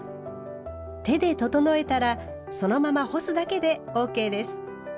手で整えたらそのまま干すだけでＯＫです。